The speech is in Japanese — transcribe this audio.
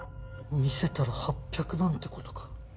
見せたら８００万って事か。